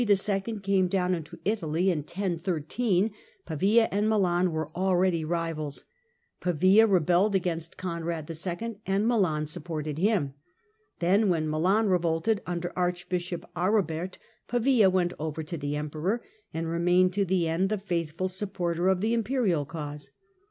came down into Italy in 1013 (see p. 27) Pavia and Milan were already rivals. Pavia rebelled against Conrad II. (see p. 29) and Milan supported him. Then, when Milan revolted under Archbishop Aribert, Pavia went over to the Emperor, and remained to the end the faithful supporter of the imperial cause.